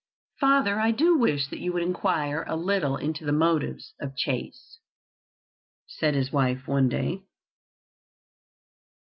"Father, I do wish that you would inquire a little into the motives of Chase," said his wife one day.